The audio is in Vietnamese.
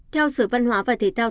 theo sở văn hóa và thể tạo